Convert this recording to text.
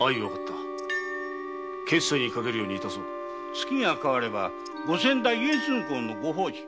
月が変わればご先代・家継公のご法事